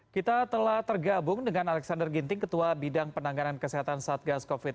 kita telah tergabung dengan alexander ginting ketua bidang penanganan kesehatan satgas covid sembilan belas